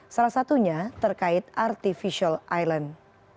salah satunya terkait artificial island